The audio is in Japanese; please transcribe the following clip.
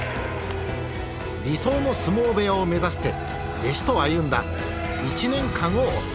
理想の相撲部屋を目指して弟子と歩んだ１年間を追った。